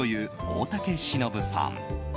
大竹しのぶさん。